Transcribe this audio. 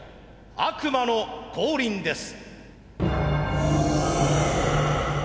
悪魔の降臨です。